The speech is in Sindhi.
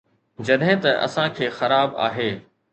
جڏهن ته اسان کي خراب آهي